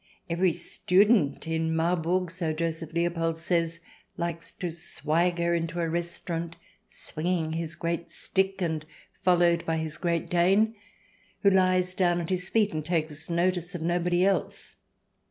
Every student in Marburg, so Joseph Leopold says, likes to swagger into a restaurant, swinging his great stick and followed by his Great Dane, who lies down at his feet and takes notice of nobody else.